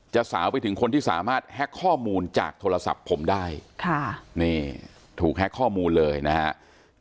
สาวไปถึงคนที่สามารถแฮ็กข้อมูลจากโทรศัพท์ผมได้ค่ะนี่ถูกแฮ็กข้อมูลเลยนะครับ